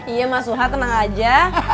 iya mas suhar tenang aja